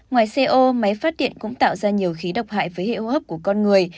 ngoài co máy phát điện cũng tạo ra nhiều khí độc hại với hệ hô hấp của con người